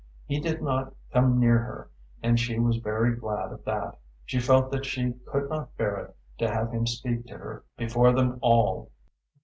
He did not come near her, and she was very glad of that. She felt that she could not bear it to have him speak to her before them all.